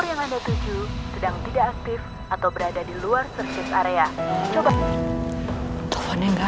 aku pengen kau